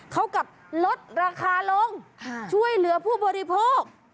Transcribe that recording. เขากลับลดราคาลงช่วยเหลือผู้บริโภค